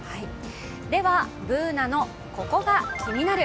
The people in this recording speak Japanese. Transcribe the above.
では、Ｂｏｏｎａの「ココがキニナル」。